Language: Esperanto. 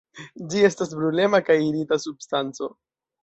Ĝi estas brulema kaj irita substanco.